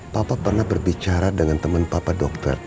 papa pernah berbicara dengan teman papa dokter